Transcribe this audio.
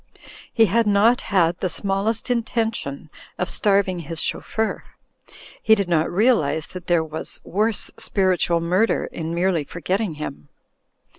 He had not had the smallest intention of starving his chauf feur ; he did not realize that there was worse spiritual murder in merely forgetting him.